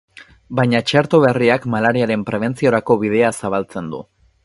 Baina txerto berriak malariaren prebentziorako bidea zabaltzen du.